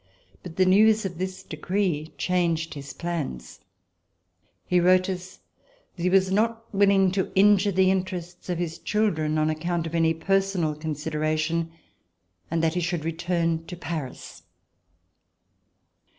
But the news of this decree changed his plans. He wrote us that he was not willing to injure the interests of his children C130] RESIDENCE IN HOLLAND on account of any personal consideration and that he should return to Paris.